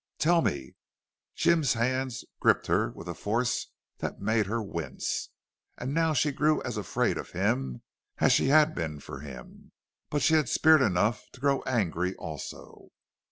"Tell me!" Jim's hands gripped her with a force that made her wince. And now she grew as afraid of him as she had been for him. But she had spirit enough to grow angry, also.